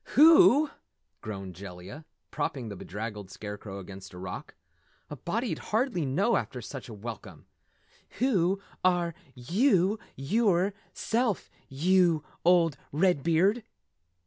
"Wheww!" groaned Jellia, propping the bedraggled Scarecrow against a rock. "A body'd hardly know, after such a welcome. Whew are yew, yewerself, yew old Redbeard!"